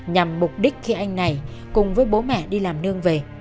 nhằm mục đích khi anh này cùng với bố mẹ đi làm nương về